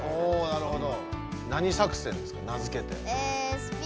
なるほど。